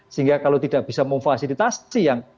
sehingga kalau tidak bisa memfasilitasi yang